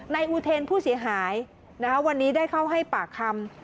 อูเทนผู้เสียหายวันนี้ได้เข้าให้ปากคำ